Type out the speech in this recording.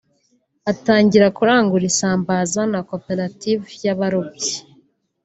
atangira kurangura isambaza na Cooperative y’abarobyi